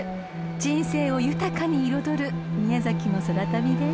［人生を豊かに彩る宮崎の空旅です］